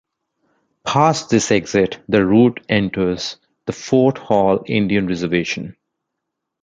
Past this exit, the route enters the Fort Hall Indian Reservation.